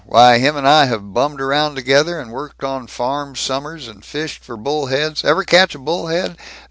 Why, him and I have bummed around together, and worked on farms, summers, and fished for bull heads Ever catch a bull head?